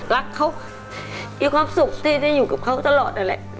รักเขามีความสุขที่จะอยู่กับเขาตลอด